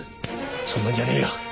そんなんじゃねぇよ